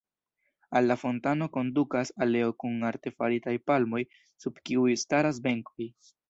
Al la fontano kondukas aleo kun artefaritaj palmoj, sub kiuj staras benkoj.